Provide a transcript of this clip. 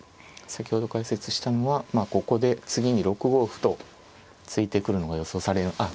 先ほど解説したのはまあここで次に６五歩と突いてくるのが予想されあっ